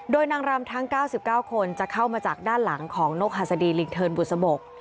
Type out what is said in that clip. โดยนางรำทั้ง๙๙คนจะเข้ามาจากด้านหลังของนกหัสดีลิงเทิร์นบุษบก